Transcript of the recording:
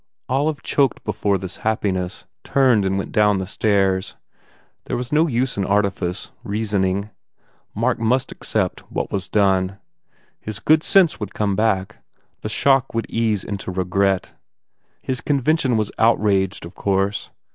Olive choked before this happiness, turned and went down the stairs. There was no use in artifice, reasoning. Mark must accept what was done. His good sense would come back, the shock would ease into regret. His convention was outraged, of course.